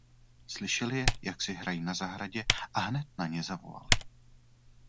Slyšeli je, jak si hrají na zahradě, a hned na ně zavolali.